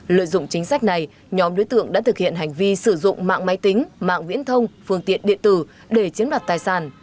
lợi dụng chính sách này nhóm đối tượng đã thực hiện hành vi sử dụng mạng máy tính mạng viễn thông phương tiện điện tử để chiếm đoạt tài sản